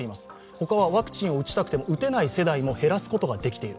他はワクチンを打ちたくても打てない世代も減らすことができている。